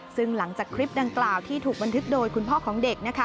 ซึ่งหลังจากคลิปดังกล่าวที่ถูกบันทึกโดยคุณพ่อของเด็ก